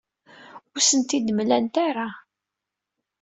Ur asent-ten-id-mlant ara.